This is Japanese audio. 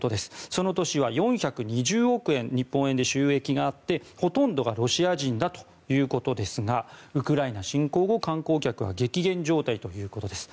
その年は４２０億円日本円で収益があってほとんどがロシア人だということですがウクライナ侵攻後、観光客は激減状態ということです。